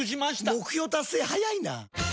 目標達成早いな！